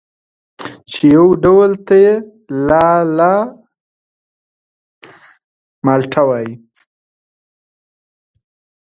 چې یو ډول ته یې لال مالټه وايي